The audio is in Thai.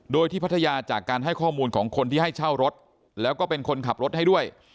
โดยที่พัทยาจากการให้ข้อมูลของคนที่ให้เช่ารถแล้วก็เป็นคนขับรถให้ด้วย